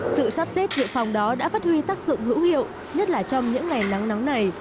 sự sắp xếp dự phòng đó đã phát huy tác dụng hữu hiệu nhất là trong những ngày nắng nóng này